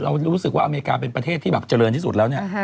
เรารู้สึกว่าอเมริกาเป็นประเทศที่เจริญที่สุดแล้ว